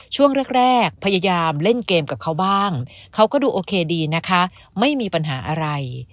ช่วงแรกพยายามเล่นเกมกับเขาบ้างเขาก็ดูโอเคดีนะคะไม่มีปัญหาอะไร